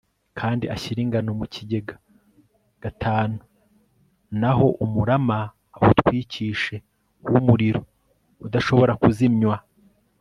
kandi ashyire ingano mu kigega v naho umurama awutwikishe w umuriro udashobora kuzimywa